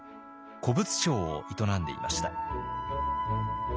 古物商を営んでいました。